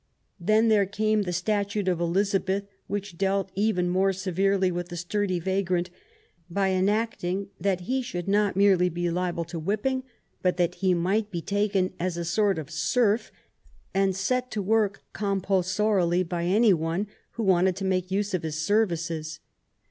Then there came the statute of Eliza beth, which dealt even more severely with the sturdy vagrant by enacting that he should not merely be liable to whipping, but that he might be taken as a sort of serf and set to work compulsorily by anybody who wanted to make use of his services.